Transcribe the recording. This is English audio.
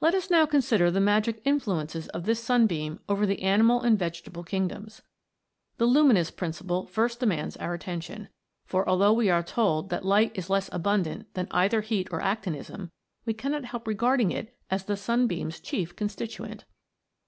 Let us now consider the magic influences of this sunbeam over the animal and vegetable kingdoms. The luminous principle first demands our attention ; for although we are told that light is less abundant than either heat or actinism, we cannot help re THE MAGIC OF THE STWBEAM. 95 garding it as the sunbeam's chief constituent.